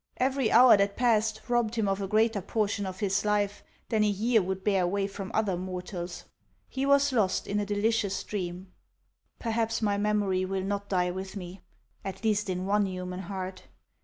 Every hour that passed robbed him of a greater portion of his life than a year would bear away from other mortals. He was lost in a delicious dream. " Perhaps my memory will not die with me, at least in one human heart.